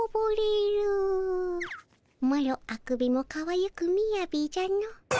マロあくびもかわゆくみやびじゃの。